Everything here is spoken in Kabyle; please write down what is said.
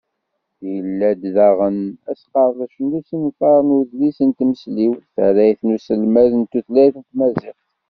Yella-d daɣen, asqerdec n usenfar n udlis n tmesliwt, tarrayt n uselmed n tutlayt n tmaziɣt.